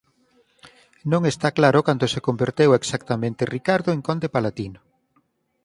Non está claro cando se converteu exactamente Ricardo en conde palatino.